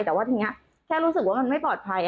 ส่วนบิดวิธีแพงแต่ว่าแมบนี้แค่รู้สึกว่ามันไม่ปลอดภัย